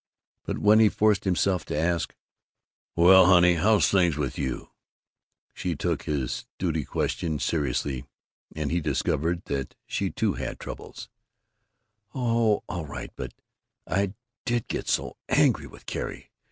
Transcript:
But when he forced himself to ask, "Well, honey, how's things with you," she took his duty question seriously, and he discovered that she too had Troubles: "Oh, all right but I did get so angry with Carrie.